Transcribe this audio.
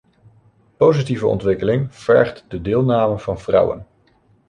Positieve ontwikkeling vergt de deelname van vrouwen.